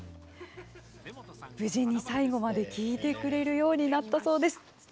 無事に最後まで聞いてくれるようになったそうです。